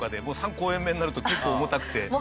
もう３公演目になると結構重たくて。